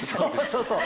そうそうそう。